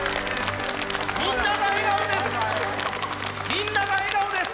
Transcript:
みんなが笑顔です！